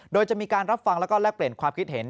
โดยจะมีการรับฟังแล้วก็แลกเปลี่ยนความคิดเห็น